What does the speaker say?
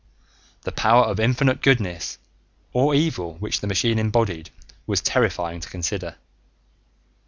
The power of infinite goodness or evil which the machine embodied was terrifying to consider.